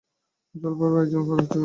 জলখাবারের আয়োজন হচ্ছে কেন?